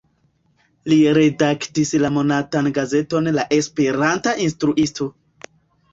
Li redaktis la monatan gazeton "La Esperanta Instruisto".